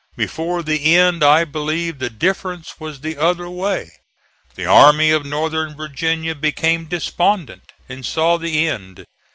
Before the end I believe the difference was the other way. The Army of Northern Virginia became despondent and saw the end.